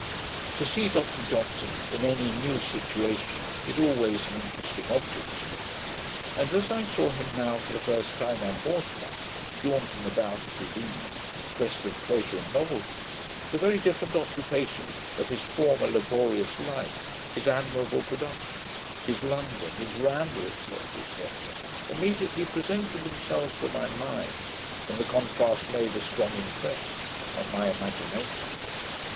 To see Dr Johnson in any new situation is always an interesting object to me; and, as I saw him now for the first time on horseback, jaunting about at his ease in quest of pleasure and novelty, the very different occupations of his former laborious life, his admirable productions, his London, his Rambler, &c. &c. immediately presented themselves to my mind, and the contrast made a strong impression on my imagination.